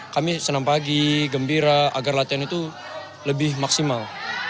kami senam pagi gembira agar latihan itu lebih maksimal